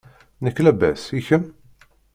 Nekk labas, i kemm?